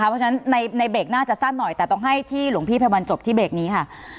เพราะฉะนั้นในเบรกน่าจะสั้นหน่อยแต่ต้องให้ที่หลวงพี่ไพวันจบที่เบรกนี้ค่ะ